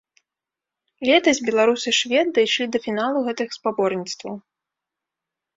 Летась беларус і швед дайшлі да фіналу гэтых спаборніцтваў.